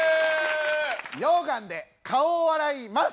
溶岩で顔を洗います！